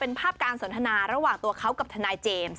เป็นภาพการสนทนาระหว่างตัวเขากับทนายเจมส์